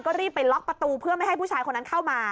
ก็รีบไปล็อกประตูเพื่อไม่ให้ผู้ชายคนนั้นเข้ามา